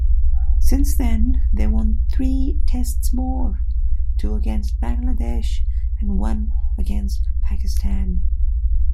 Since then they won three Tests more, two against Bangladesh and one against Pakistan.